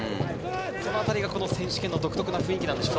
そのあたりが選手権の独特な雰囲気なんでしょうね。